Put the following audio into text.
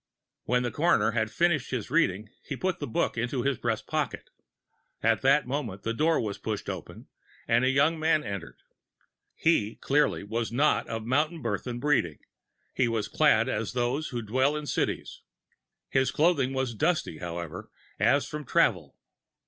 When the coroner had finished reading he put the book into his breast pocket. At that moment the door was pushed open and a young man entered. He, clearly, was not of mountain birth and breeding: he was clad as those who dwell in cities. His clothing was dusty, however, as from travel.